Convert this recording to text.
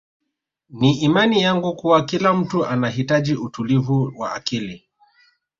Ni imani yangu kuwa kila mtu anahitaji utulivu wa akili